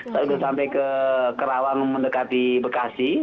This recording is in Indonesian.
sudah sampai ke rawang mendekati bekasi